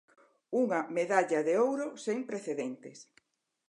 Unha medalla de ouro sen precedentes.